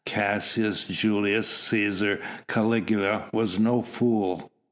Caius Julius Cæsar Caligula was no fool.